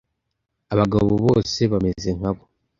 abagabo bose bameze nkabo.